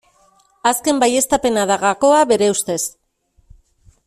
Azken baieztapena da gakoa bere ustez.